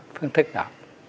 phương thức đó